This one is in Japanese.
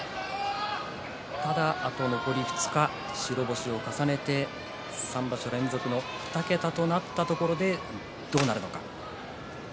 残り２日、白星を重ねて３場所連続２桁となったところでどうなるのか。